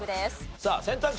さあ選択肢